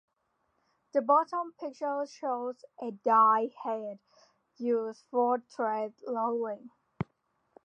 The bottom picture shows a Die Head used for Thread Rolling.